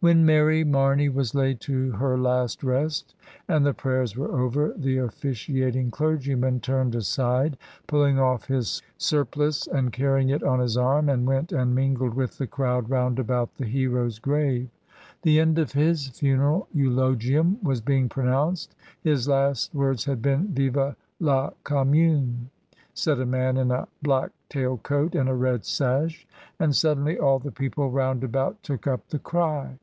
When Mary Mamey was laid to her last rest, and the prayers were over, the officiat ing clergyman turned aside, pulling off his surplice and carrying it on his arm, and went and mingled with the crowd round about the hero's grave. The end of his funeral eulogium was being pronounced — his last words had been *^Vwe la Commune!*' said a man in a black tail coat and a red sash, and suddenly all the people round about took up the cry.